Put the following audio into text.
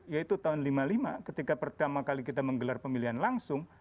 yaitu tahun seribu sembilan ratus lima puluh lima ketika pertama kali kita menggelar pemilihan langsung